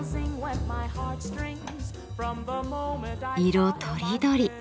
色とりどり